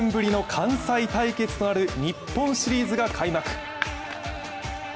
そして土曜日、５９年ぶりの関西対決となる日本シリーズが開幕。